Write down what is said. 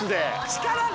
力で。